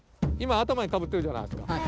今頭にかぶってるじゃないですか。